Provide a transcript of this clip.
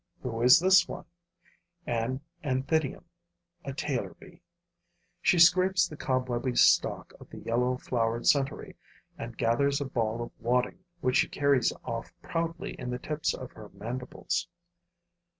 Who is this one? An Anthidium [a tailor bee]. She scrapes the cobwebby stalk of the yellow flowered centaury and gathers a ball of wadding which she carries off proudly in the tips of her mandibles.